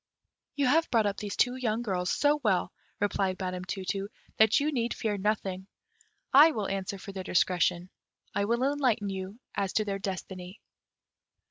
"You have brought up these two young girls so well," replied Madam Tu tu, "that you need fear nothing: I will answer for their discretion; I will enlighten you as to their destiny."